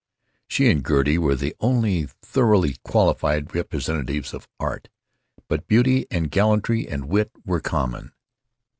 She and Gertie were the only thoroughly qualified representatives of Art, but Beauty and Gallantry and Wit were common.